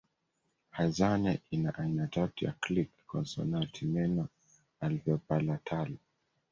Hadzane ina aina tatu ya click konsonanti meno alveopalatal